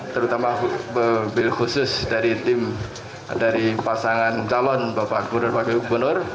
terutama khusus dari tim dari pasangan calon bapak ibu